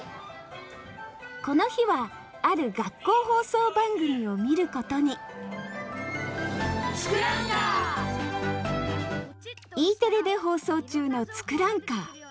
この日はある学校放送番組を見ることにＥテレで放送中の「ツクランカー」。